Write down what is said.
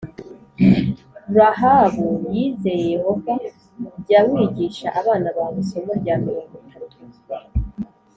Rahabu yizeye Yehova Jya wigisha abana bawe isomo rya mirongo itatu